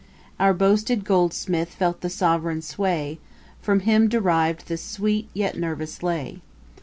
Our boasted GOLDSMITH felt the sovereign sway: From him deriv'd the sweet, yet nervous lay.